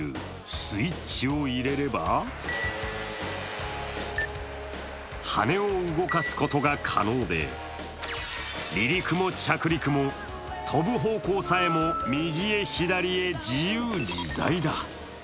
スイッチを入れれば羽を動かすことが可能で離陸も着陸も飛ぶ方向さえも右へ左へ自由自在だ。